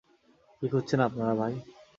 কী খুঁজছেন আপনারা, ভাই!